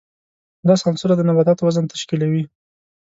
لس عنصره د نباتاتو وزن تشکیلوي.